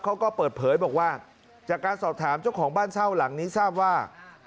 เขาก็เปิดเผยบอกว่าจากการสอบถามเจ้าของบ้านเช่าหลังนี้ทราบว่า